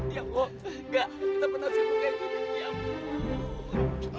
ya allah gak kita patah sibuk aja